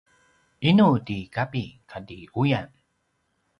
inu ti kapi kati uyan?